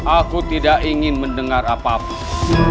aku tidak ingin mendengar apapun